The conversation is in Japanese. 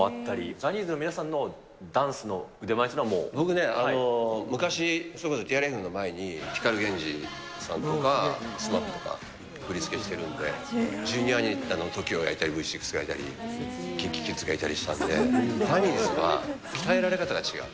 ジャニーズの皆さんのダンス僕ね、昔、それこそ、ＴＲＦの前に、光ゲンジさんとか、ＳＭＡＰとか、振付してるので、Ｊｒ．にＴＯＫＩＯがいたり、Ｖ６がいたり、ＫｉｎＫｉＫｉｄｓがいたりしたんで、ジャニーズは、鍛えられ方が違う。